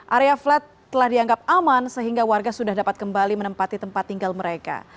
area flat telah dianggap aman sehingga warga sudah dapat kembali menempati tempat tinggal mereka